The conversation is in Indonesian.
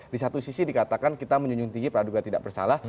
di satu sisi dikatakan kita menjunjung tinggi praduga tidak bersalah